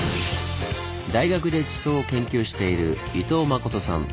大学で地層を研究している伊藤慎さん。